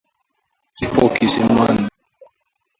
Kifo kisimani.